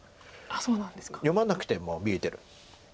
読まなくても見えてる。